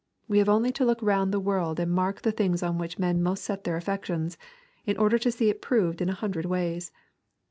We have only to look round the world and mark the things on which most men set their afffections, in order to see it proved in a hundred ways.